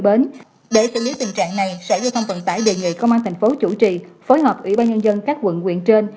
để xử lý tình trạng này sở giao thông phận tải đề nghị công an tp hcm chủ trì phối hợp ủy ban nhân dân các quận quyền trên